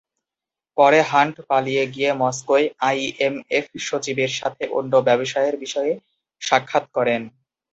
পরে হান্ট পালিয়ে গিয়ে মস্কোয় আইএমএফ সচিবের সাথে অন্য ব্যবসায়ের বিষয়ে সাক্ষাত করেন।